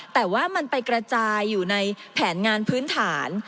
แต่ว่ามันไปกระจายอยู่ในแผนงานพื้นฐาน